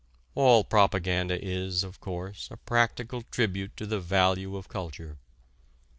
All propaganda is, of course, a practical tribute to the value of culture.